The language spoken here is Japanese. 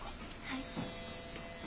はい。